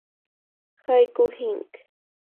Haiku Inc.